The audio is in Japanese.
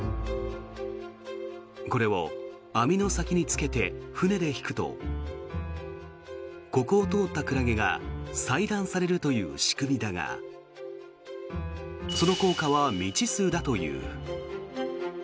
これを網の先につけて船で引くとここを通ったクラゲが細断されるという仕組みだがその効果は未知数だという。